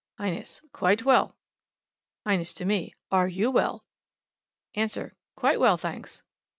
Highness. "Quite well!" Highness to me. "Are you well?" Answer. "Quite well, thanks!"